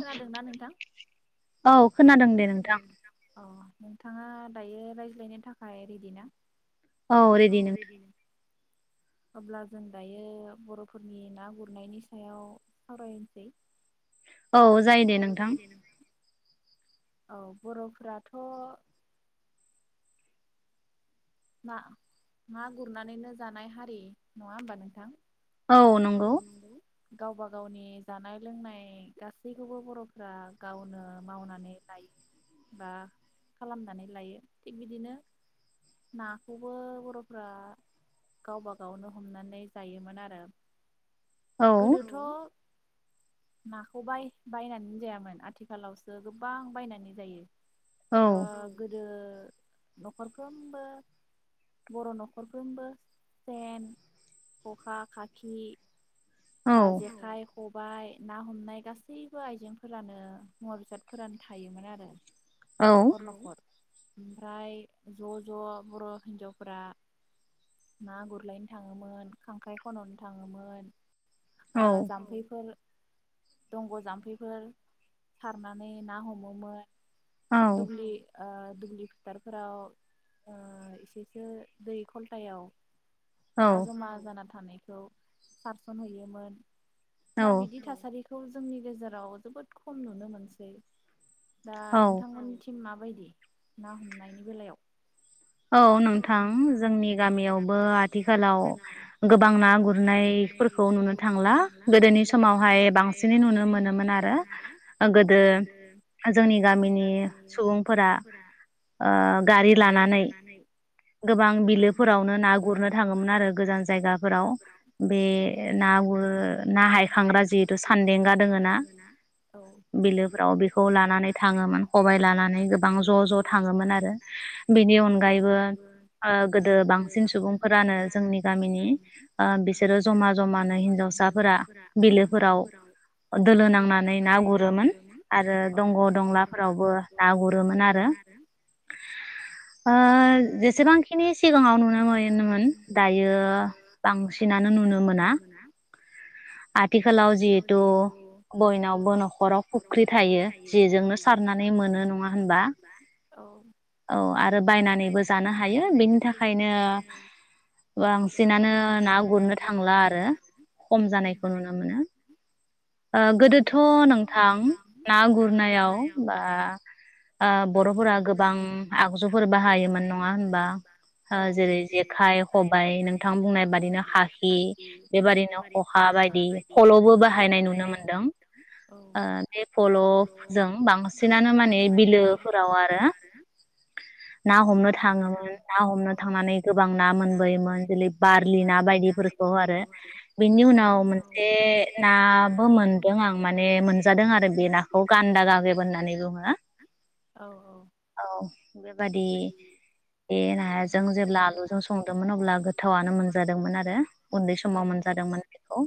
खोनादोंना नोंथां औ खोनादों दे नोंथां अ नोंथाङा दायो रायज्लायनो थाखाय रेडि ना औ रेदि नों अब्ला जों दायो बर'फोरनि ना गुरनायनि सायाव सावरायनसै। औ जायो दे नोंथां। औ बर'फोराथ' ना ना गुरनानैनो जानाय हारि नङा होमबा नोंथां औ नंगौ गावबा गावनि जानाय लोंनाय गासैखौबो बरफोरा गावनो मावनानै लायो बा खालामनानै लायो थिग बिदिनो नाखौबो बरफ्रा गावबा गावनो हमनानै जायोमोन आरो गोदोथ' नाखौ बाय-बायनानै जायामोन आथिखालावसो गोबां बायनानै जायो ओ गोदो नखरफ्रोमबो बर नखरफ्रोमबो सेन खखा खाखि आ जेखाय खब खबाय ना हमनाय गासैबो आइजेंफोरानो मुवा बेसादफोरानो थायोमोन आरो। नखर नखर। ओमफ्राय ज ज बर हिनजावफोरा ना गुरलायनो थाङोमोन खांख्राइ खननो थाङोमोन आ जाम्फैफोर दंग जाम्फैफोर सारनानै ना हमोमोन दुुब्लि ओ दुब्लि फोथारफोराव ओ एसेसो दै खलथायाव ना जमा जाना थानाय जौ फानहैयोमोन दा बिदि थासारि खौ जोंनि गेजेराव जोबोद खम नुनो मोनसै दा नोंथांमोननिथिं मा माबायदि ना हमनायनि बेलायाव औ नोंथां जोंनि गामियावबो आथिखालाव गोबां ना गुरनायफोरखौ नुनो थांला गोदोनि समावहाय बांसिनै नुनो मोनोमोन आरो गोदो जोंनि गामिनि सुबुंफोरा ओ गारि लानानै गोबां बिलोफोरावनो ना गुरनो थाङोमोन आरो गोजान जायगाफोराव बे ना गुर ना हायखांग्रा जिहेतु सानदेंगा दोङो ना बिलोफोराव बेखौ लानानै थाङोमोन खबाय लानानै गोबां ज' ज' थाङोमोन आरो बेनि अन बे ओ गोदो बांसिन सुबुंफोरानो जोंनि गामिनि ओ बिसोरो जमा जमानो हिन्जावसाफोरा बिलोफोराव दोलो नांनानै ना गुरोमोन आरो दंग‌ दंलाफोरावबो ना गुरोमोन आरो ओ जेसेबांखिनि सिगाङाव नुनो मोनोमोन दायो बांसिनानो नुनो मोना आथिखालाव जिहेथु बयनावबो नखराव फुख्रि थायो जेजोंनो सारनानै मोनो नङा होनबा औ आरो बायनानैबो जानो हायो बेनि थाखायनो बांसिनानो ना गुरनो थांला आरो खम जानायखौ ओ नोंगो ना ओ गोदोथ' नोंथां ना गुरनायाव बा ओ बर'फोरा गोबां आगजु बाहाय नङा होनबा ओ जेरै जेखाय खबाय नोंथां बुंनाय बादिनो खाखि बेबादिनो खखा बायदि फलबो बाहायनाय नुनो नुनो मोनदों ओ बे फलजों बांसिनानो माने बिलोफोराव आरो हमनो थाङोमोन ना हमनो थांनानै गोबां ना मोनबोयोमोन जेलै बारलि ना बायदिफोरखौ आरो बिनि उनाव मोनसे ना बो मोनदों आं माने मोनजादों आरो बे नाखौ गान्दा गागेब होननानै बुङो औ बेबाद दि बे नायाजों जेब्ला आलुजों संदोंमोन अब्ला गोथावनो मोनजादोंमोन आरो उन्दै समाव मोनजादोंमोन बेखौ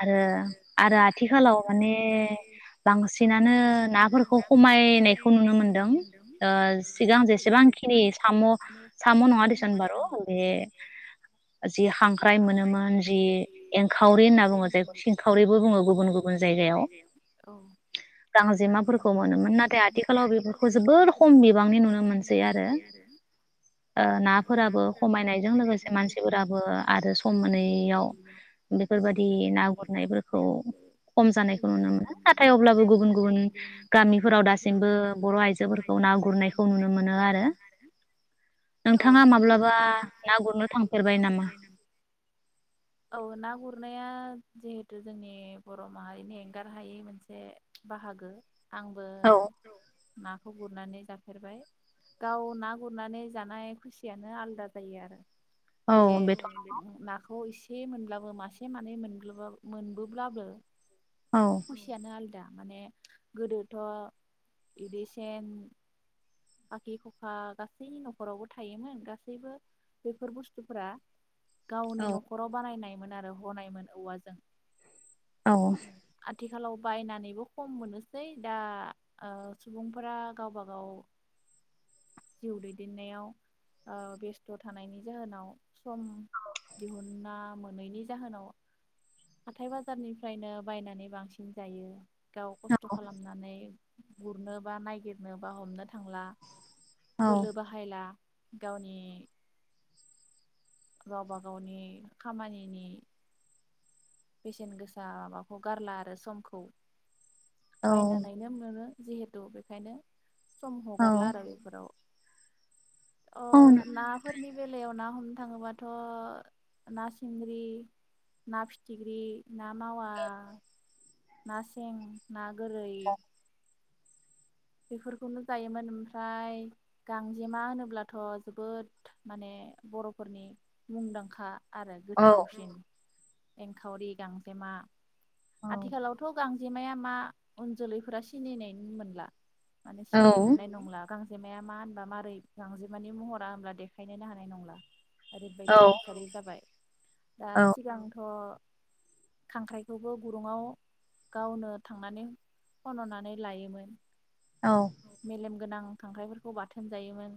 आरो ओ आरो आथिखालाव माने बांसिनानो नाफोरखौ खमायनायखौ नुनो मोनदों ओ सिगां जेसेबांखिनि साम' साम' नङा देसौन बारु बे जि खांख्राइ मोनोमोन जि एंखावरि होनना बुङो जायखौ सिं खावरिबो बुङो गुबुन गुबुन जायगायाव गांजेमाफोरखौ मोनोमोन नाथाय आथिखालाव बेफोरखौ जोबोर खम बिबांनि नुनो मोनसै आरो ओ नाफोराबो खमायनायजों लोगोसे मानसिफोराबो आरो सम मोनैयाव बेफोर बायदि ना गुरनायफोरखौ खम जानायखौ नुनो मोनो नाथाय अब्लाबो गुबुन गुबुन गामिफोराव दासिमबो बर' आइजोफोरखौ ना गुरनायखौ नुनो मोनो आरो नोंथाङा माब्लाबा ना गुरनो थांफेरबाय नामा? नाया जिहेतु जोंनि बर माहारिनि एंगारहायै मोनसे बाहागो आं औ नाखौ गुरनानै जाफेरबाय गाव ना गुरनानै जानाय खुसियानो आलदा जायो आरो बे नाखौ खौ एसे मोनब्लाबो मासे मानै मोन ब्लाबा मोनबोब्लाबो खुसियानो आल दा माने गोदोथ' इदि सेन खाखि खखा गासै नखरावबो थायोमोन गासैबो बेफोर बुस्थुफोरा गावनो नखराव बानायनाय मोन आरो हनायमोन औवाजों औ आथिखालाव बायनानैबो खम मोनोसै दा ओ सुबुंफोरा गावबा गाव जिउ दैदेननायाव ओ बेस्थ' थानायनि जाहोनाव सम दिहुना मोनैनि जाहोनाव हाथाय बाजारनिफ्रायनो बायनानै बांसिन जायो गाव खस्थ' खालामनानै गुरनो बा नायगिरनो बा हमनो थांला बोलो बाहायला गावनि गावबा गावनि खामानिनि बेसेन गोसा माबाखौ गारला आरो समखौ बायनानैनो मोनो जिहेथु बेखायनो सम हगारला आरो बेफोराव अ नाफोरनि बेलायाव ना हमनो थाङोबाथ' ना सिंग्रि ना फिथिग्रि ना मावा ना सें ना गोरै बेफोरखौनो जायोमोन ओमफ्राय गांजेमा होनोब्लाथ' जोबोद माने बर'फोरनि मुंदांखा आरो गोथावसिन एंखावरि गांजेमा आथिखालावथ' गां गांजेमाया मा उन जोलैफोरा सिनायनाय मोनला। माने सिनाय मोननाय नंला गां गांजेमाया मा होनबा मारै गांजेमानि महरा होनब्ला देखायनोनो हानाय नंला। ओरैबायदि थासारि जाबाय दा सिगांथ' खांख्राइखौबो गुरुङाव गावनो थांनानै खन'नानै लायोमोन मेलेम गोनां खांख्राइफोरखौ बाथोन जायोमोन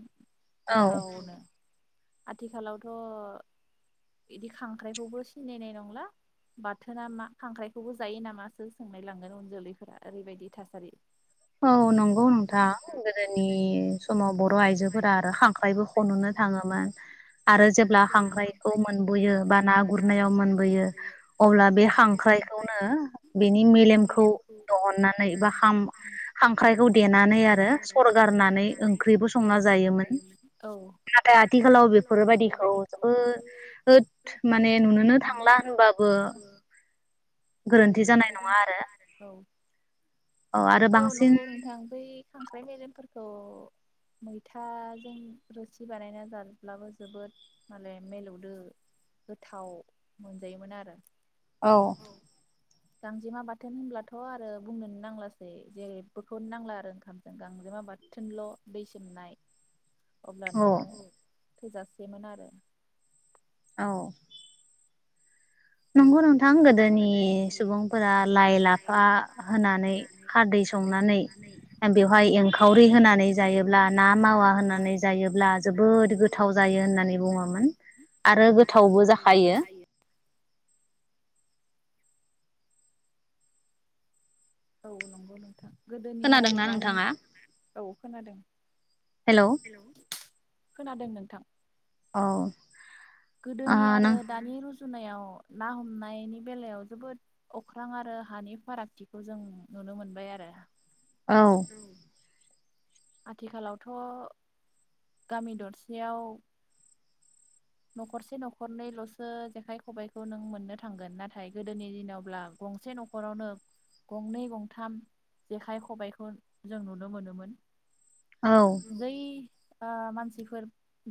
गोथावनो आथिखालावथ इदि खांख्राइखौबो सिनायनाय नंला बाथोना मा खांख्राइखौबो जायो नामासो सोंनायलांगोन उन जोलैफोरा ओरैबायदि थासारि। औ नंगौ नोंथां गोदोनि समाव बर आइजोफोरा आरो खांख्राइबो खननो थाङोमोन आरो जेब्ला खांख्राइखौ मोनबोयो बा ना गुरनायाव मोनबोयो अब्ला बे हांख्रायखौनो बेनि मेलेमखौ दहन्नानै बा खाम खांख्राइखौ देनानै आरो सरगारनानै ओंख्रिबो संना जायोमोन नाथाय आथिखालाव बेफोरबायदिखौ जोबोद माने नुनोनो थांला होनबाबो गोरोन्थि जानाय नङा आरो औ आरो बांसिन आं बै खांख्राइ मेलेमफोरखौ मैथाजों रोसि बानायना जाब्लाबो जोबोद माले मेलौदो गोथाव मोनजायोमोन आरो औ गांजेमा बाथोन होनब्लाथ आरो बुंनोनो नांलासै जेरै जेबोखौनो नांला आरो ओंखामजों गांजेमा बाथोनल' दै सोमनाय अब्लानो थोजासेमोन आरो औ नंगौ नोंथां गोदोनि सुबुंफोरा लाइ लाफा होनानै खारदै संनानै बेवहाय एंखावरि होनानै जायोब्ला ना मावा होनानै जायोब्ला जोबोद गोथाव जायो होननानै बुङोमोन आरो गोथावबो जाखायो औ नंगौ नोंथां गोदोनि आरो दानि औ खोनादों हेलौ खोनादों नोंथां औ गोदोनि आरो दानि रुजु जुनाआव ना हमनायनि बेलायाव जोबोद अख्रां आरो हानि फारागथिखौ जों नुनो मोनबाय आरो। औ आथिखालावथ' गामि दरसेयाव नखरसे नखरनैल'सो जेखाइ खबाइखौ नों मोननो थांगोन नाथाय गोदोनि दिनावब्ला गंसे नखरावनो गंनै गंथाम जेखाइ खबाइखौ जों नुनो मोनोमोन जै ओ मानसिफोर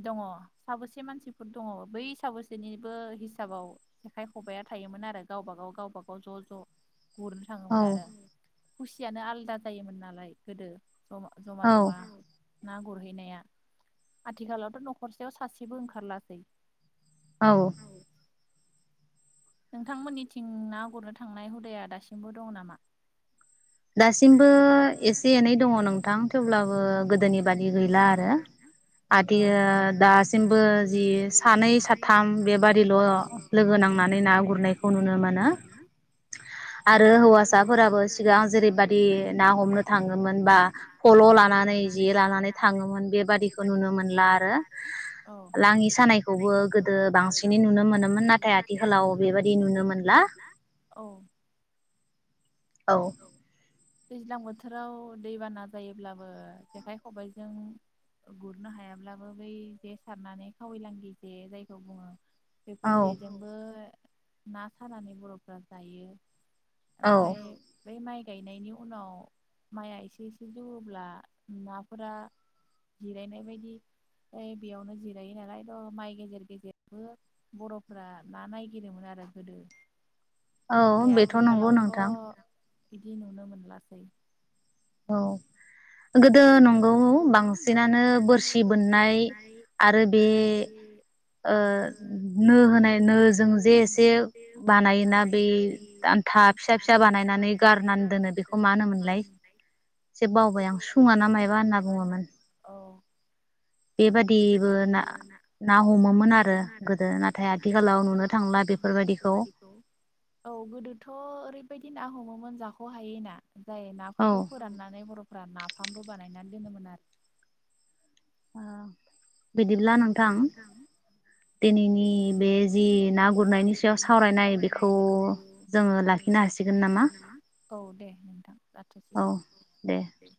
दङ साबोसे मानसि फोर दङ बै साबोसेनिबो हिसाबाव जेखाइ खबाइया थायोमोन आरो गावबा गाव गावबा गाव ज' ज' गुरनो थाङोमोन आरो खुसियानो आलादा जायोमोन नालाय गोदो समा जमा जमा ना गुरहैनाया आथिखालावथ' नखरसेयाव सासेबो ओंखारला सै औ नोंथांमोननिथिं ना गुरनो थांनाय हुदाया दासिमबो दङ नामा दासिमबो एसे एनै दङ नोंथां थेवब्लाबो गोदोनि बादि गैला आरो आदियो दासिमबो जि सानै साथाम बेबादिल' लोगो नांनानै ना गुरनायखौ नुनो मोनो आरो हौवासाफोराबो सिगां जेरैबादि ना हमनो थाङोमोन बा फल' लानानै जे लानानै थाङोमोन बेबादिखौ नुनो मोनला आरो लाङि सानायखौबो गोदो बांसिनै नुनो मोनोमोन नाथाय आथिखालाव बेबादि नुनो मोनला औ दैज्लां बोथोराव दैबाना जायोब्लाबो जेखाइ खबाइजों गुरनो हायाब्लाबो बै जे सारनानै खावैलांगि जे जायखौ बुङो बेफोर जेजोंबो ना सानानै बर'फ्रा जायो ओमफ्राय बै माइ गायनायनि उनाव माइया एसे एसे जौवोब्ला नाफोरा जिरायनाय बायदि ओइ बेयावनो जिरायो नालाय माइ गेजेर गेजेरबो बर'फोरा ना नाय गिदोंमोन आरो गोदो औ बेथ' नंगौ नोंथां बिदि नुनो मोनलासै औ गोदो नंगौ बांसिनानो बोरसि बोननाय आरो बे ओ नो होनाय नोजों जे एसे बानायोना बै दान्था फिसा फिसा बानायनानै गारनानै दोनो बेखौ मा होनोमोनलाय से बावबाय आं सुङा सुङाना मायबा होननानै बुङोमोन औ बेबादिबो ना ना हमोमोन आरो गोदो नाथाय आथिखालाव नुनो थांला बेफोरबायदिखौ औ गोदोथ' ओरैबायदि ना हमोमोन जाख'हायि ना जाय नाफोरखौ फोराननानै बर'फोरा नाफ लायनानै दोनोमोन आरोना ओ बिदिब्ला नोंथां दिनैनि बे जि ना गुरनायनि सायाव सावरायनाय बेखौ जोङो लाखिनो हासिगोन नामा औ दे नोंथां जाथ'सिगोन औ दे